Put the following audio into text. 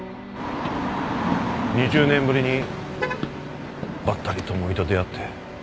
２０年ぶりにばったり智美と出会って。